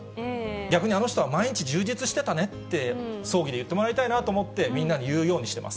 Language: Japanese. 逆に、あの人は毎日充実してたねって、葬儀で言ってもらいたいなと思って、みんなに言うようにしてます。